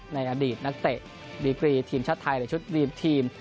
ในอดีตนักเตะดีกรีทีมชาติไทยและชุดรีทีม